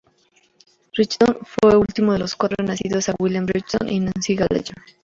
Rigdon fue el último de cuatro hijos nacidos a William Rigdon y Nancy Gallagher.